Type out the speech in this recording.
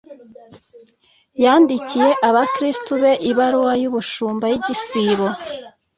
yandikiye Abakristu be ibaruwa y'ubushumba y'igisibo